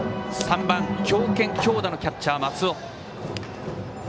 ３番、強肩強打のキャッチャー、松尾。